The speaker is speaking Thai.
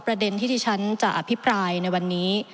ประเด็นที่ที่ฉันจะอภิปรายในวันนี้